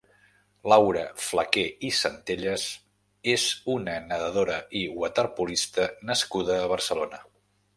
Laura Flaqué i Centellas és una nedadora i waterpolista nascuda a Barcelona.